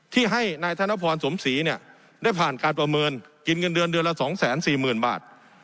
ที่ให้นายธนพรสมศรีเนี่ยได้ผ่านการประเมินกินเงินเดือนเดือนละ๒๔๐๐๐บาท